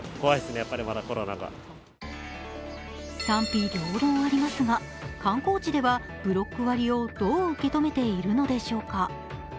賛否両論ありますが観光地ではブロック割をどう受け止めているのでしょうか。